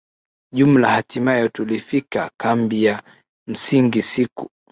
jumla hatimaye tulifika kambi ya msingi siku